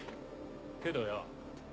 けどよ